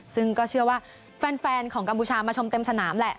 ซึ่งก็เชื่อว่าแฟนของกัมพูชามาชมเต็มสนามแหละ